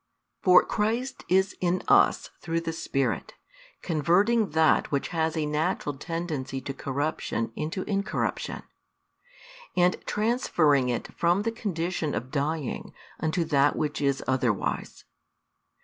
For Christ is in us through the Spirit, converting that which has a natural tendency to corruption into incorruption, and transferring it from the condition of dying unto that which is otherwise.